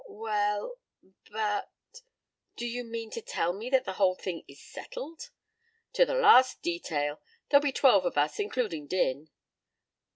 "Well but do you mean to tell me that the whole thing is settled?" "To the last detail. There'll be twelve of us, including Din."